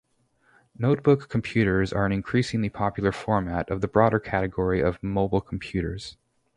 Notebook computers are an increasingly popular format of the broader category of mobile computers.